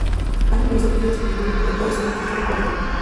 Hay numerosos ríos y arroyos pero todos son de corto recorrido.